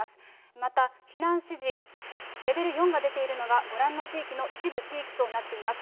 また、避難指示、レベル４が出ているのが、ご覧の地域の一部地域となっています。